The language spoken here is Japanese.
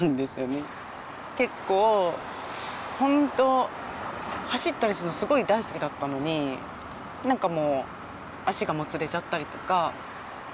結構本当走ったりするのすごい大好きだったのに何かもう足がもつれちゃったりとか。